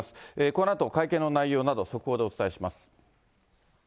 このあと会見の内容など、速報でお伝えします。